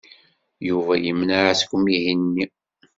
Yuba yemneɛ seg umihi-nni.